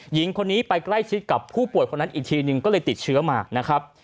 หญิงคนนี้ไปใกล้ชิดกับผู้ป่วยคนนั้นอีกทีหนึ่งก็เลยติดเชื้อมานะครับ